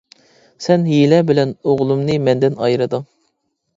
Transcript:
سەن ھىيلە بىلەن ئوغلۇمنى مەندىن ئايرىدىڭ!